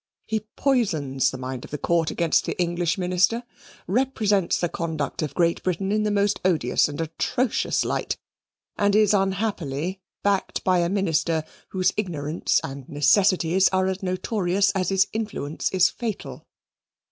He poisons the mind of the Court against the English minister, represents the conduct of Great Britain in the most odious and atrocious light, and is unhappily backed by a minister whose ignorance and necessities are as notorious as his influence is fatal."